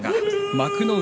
幕内